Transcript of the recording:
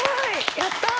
やったー！